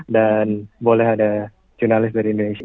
dan boleh ada jurnalis dari indonesia